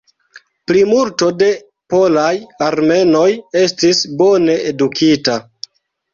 Plimulto de polaj armenoj estis bone edukita.